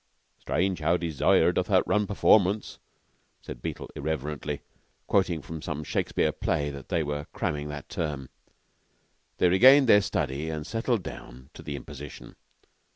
"'Strange, how desire doth outrun performance,'" said Beetle irreverently, quoting from some Shakespeare play that they were cramming that term. They regained their study and settled down to the imposition.